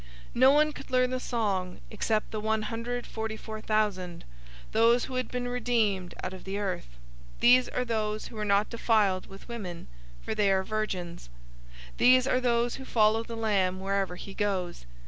No one could learn the song except the one hundred forty four thousand, those who had been redeemed out of the earth. 014:004 These are those who were not defiled with women, for they are virgins. These are those who follow the Lamb wherever he goes.